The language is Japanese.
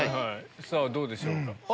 さぁどうでしょうか？